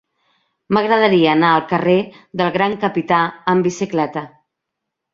M'agradaria anar al carrer del Gran Capità amb bicicleta.